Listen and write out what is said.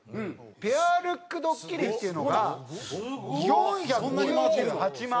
ペアルックドッキリっていうのが４９８万回。